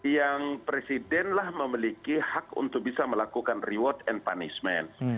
yang presidenlah memiliki hak untuk bisa melakukan reward and punishment